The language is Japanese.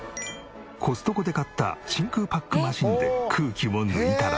コストコで買った真空パックマシーンで空気を抜いたら。